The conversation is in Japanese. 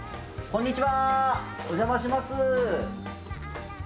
こんにちは。